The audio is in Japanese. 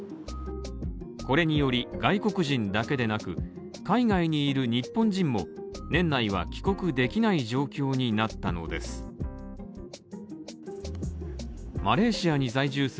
これにより、外国人だけでなく、海外にいる日本人も年内は帰国できない状況になったのです